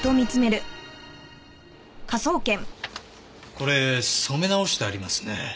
これ染め直してありますね。